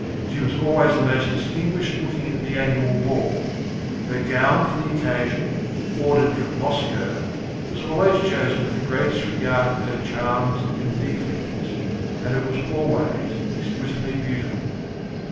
She was always the most distinguished looking at the annual ball. Her gown for the occasion, ordered from Moscow, was always chosen with the greatest regard for her charms and defects, and it was always exquisitely beautiful.